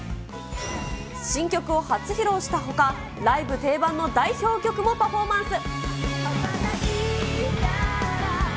新曲を初披露したほか、ライブ定番の代表曲もパフォーマンス。